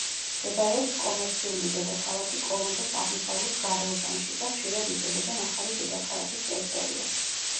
მდებარეობს კომერციული დედაქალაქი კოლომბოს აღმოსავლეთ გარეუბანში და ხშირად უწოდებენ „ახალი დედაქალაქის“ ტერიტორიას.